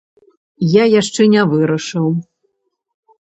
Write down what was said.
Я яшчэ не вырашыў.